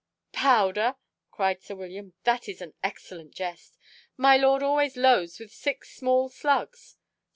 "Powder," cried sir William, "that is an excellent jest. My lord always loads with six small slugs."